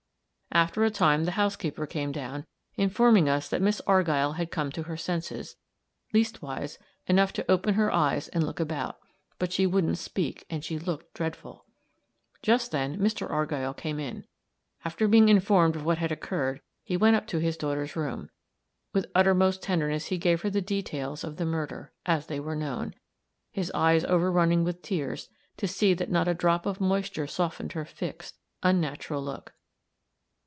After a time the housekeeper came down, informing us that Miss Argyll had come to her senses; leastwise, enough to open her eyes and look about; but she wouldn't speak, and she looked dreadful. Just then Mr. Argyll came in. After being informed of what had occurred, he went up to his daughter's room. With uttermost tenderness he gave her the details of the murder, as they were known; his eyes overrunning with tears to see that not a drop of moisture softened her fixed, unnatural look.